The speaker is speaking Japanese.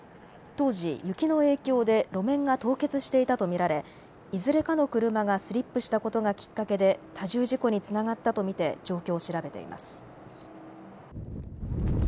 当時、雪の影響で路面が凍結していたと見られ、いずれかの車がスリップしたことがきっかけで多重事故につながったと見て状況を調べています。